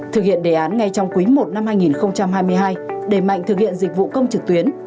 thực hiện đề án ngay trong cuối một năm hai nghìn hai mươi hai đề mạnh thực hiện dịch vụ công trực tuyến